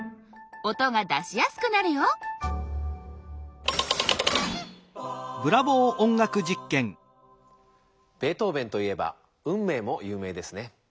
音が出しやすくなるよベートーベンといえば「運命」もゆう名ですね。